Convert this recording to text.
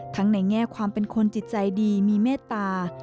ในแง่ความเป็นคนจิตใจดีมีเมตตา